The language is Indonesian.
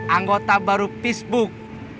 anggota baru facebook